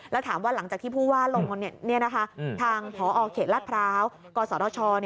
แล้วถามว่าหลังจากที่ผู้ว่าลงทางพอเขตลาดพร้าวกศช